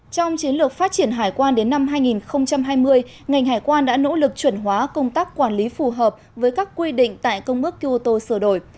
trong chiến lược phát triển hải quan đến năm hai nghìn hai mươi ngành hải quan đã nỗ lực chuẩn hóa công tác quản lý phù hợp với các quy định tại công ước sửa đổi